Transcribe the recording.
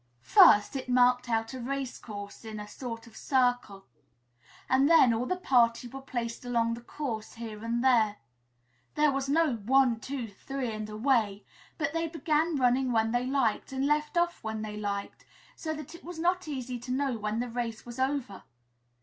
First it marked out a race course, in a sort of circle, and then all the party were placed along the course, here and there. There was no "One, two, three and away!" but they began running when they liked and left off when they liked, so that it was not easy to know when the race was over.